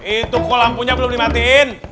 itu kok lampunya belum dimatiin